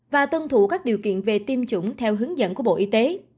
và tuân thủ các điều kiện về tiêm chủng theo hướng dẫn của bộ y tế